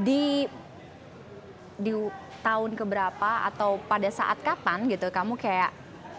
di tahun keberapa atau pada saat kapan gitu kamu kayak